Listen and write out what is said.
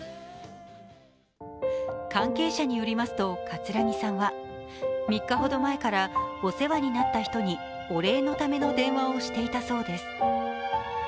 関係者によりますと葛城さんは３日ほど前からお世話になった人にお礼のための電話をしていたそうです。